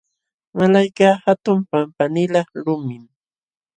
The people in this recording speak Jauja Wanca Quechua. Malaykaq hatun pampanilaq lumim.